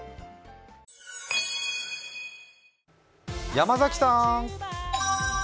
山崎さん。